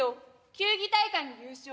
球技大会も優勝。